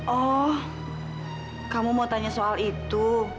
oh kamu mau tanya soal itu